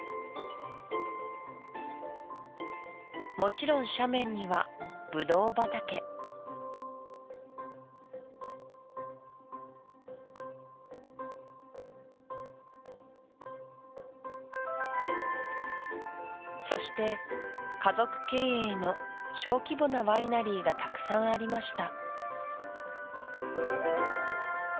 もちろん斜面にはブドウ畑そして家族経営の小規模なワイナリーがたくさんありました